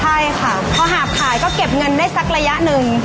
ใช่ค่ะพอหาบขายก็เก็บเงินได้สักระยะหนึ่ง